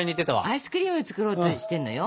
アイスクリーム作ろうとしてんのよ？